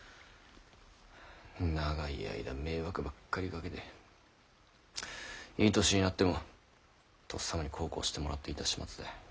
長い間迷惑ばっかりかけていい年になってもとっさまに孝行してもらっていた始末だ。